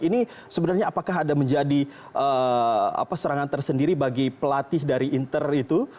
ini sebenarnya apakah ada menjadi serangan tersendiri bagi pelatih dari inter itu